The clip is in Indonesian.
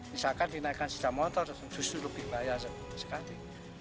misalkan dinaikkan sepeda motor justru lebih bahaya sekali